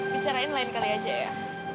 bicarain lain kali aja ya